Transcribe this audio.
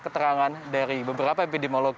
keterangan dari beberapa epidemiolog